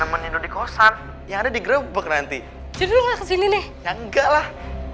menikmati kosan yang ada di grebek nanti jadul nggak sini nih enggaklah